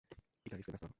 ইকারিসকে ব্যস্ত রাখো।